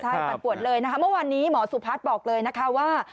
ใช่ปั่นปวดเลยนะคะเมื่อวานนี้หมอสุพัฒน์บอกเลยนะคะว่า